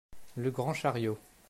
Le Grand chariot.